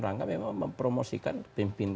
rangka memang mempromosikan pimpin